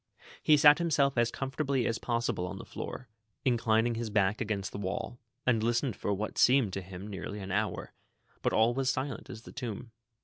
He sat himself as comfortably as possible on the floor, inclining his back against the wall, and listened for what seemed to him nearly an hour, but all was as silent as the tomb.